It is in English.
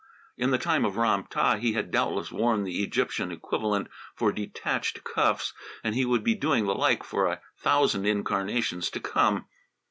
In the time of Ram tah he had doubtless worn the Egyptian equivalent for detached cuffs, and he would be doing the like for a thousand incarnations to come.